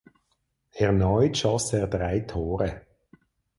Erneut schoss er drei Tore.